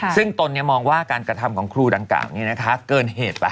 ซึ่งตนนี่มองว่าการกระทำของครูดางกล่าวเกินเหตุไป